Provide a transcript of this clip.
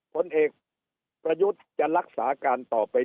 ผลเอกประยุทธ์จะรักษาการต่อไป